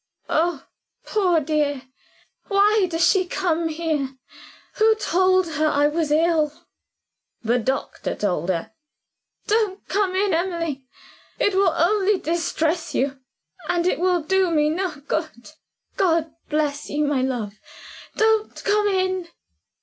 "Oh! poor dear, why does she come here? Who told her I was ill?" "The doctor told her." "Don't come in, Emily. It will only distress you and it will do me no good. God bless you, my love. Don't come in."